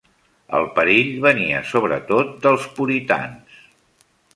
El perill venia sobre tot dels puritans.